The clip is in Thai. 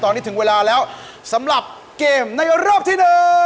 ตอนนี้ถึงเวลาแล้วสำหรับเกมในรอบที่๑